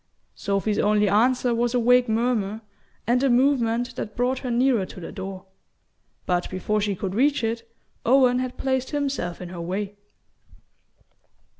Sophy's only answer was a vague murmur, and a movement that brought her nearer to the door; but before she could reach it Owen had placed himself in her way.